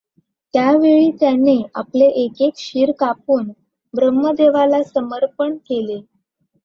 त्यावेळी त्याने आपले एक एक शिर कापून ब्रह्मदेवाला समर्पण केले.